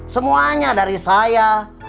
semuanya dari saya